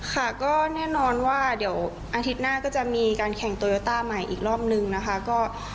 ค่ะก็แน่นอนว่าเดี๋ยวอาทิตย์หน้าก็จะมีการแข่งโตโยต้าใหม่อีกรอบนึงนะคะ